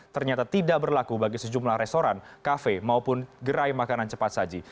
ternyata tidak berlaku bagi sejumlah restoran kafe maupun gerai makanan cepat saji